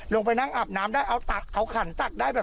ลงไปนั่งอาบน้ำได้เอาตักเอาขันตักได้แบบ